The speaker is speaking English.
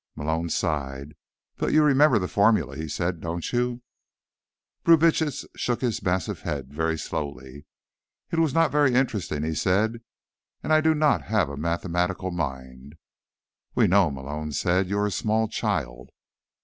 Malone sighed. "But you remember the formula," he said. "Don't you?" Brubitsch shook his massive head very slowly. "It was not very interesting," he said. "And I do not have a mathematical mind." "We know," Malone said. "You are a small child."